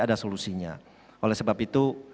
ada solusinya oleh sebab itu